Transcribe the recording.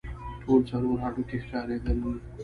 ټول څلور هډوکي ښکارېدل.